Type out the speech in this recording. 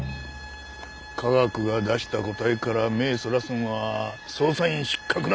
科学が出した答えから目ぇそらすのは捜査員失格だ！